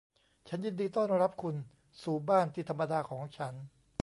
ฉันยินดีต้อนรับคุณสู่บ้านที่ธรรมดาของฉัน